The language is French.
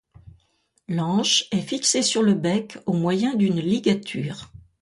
L'anche est fixée sur le bec au moyen d'une ligature.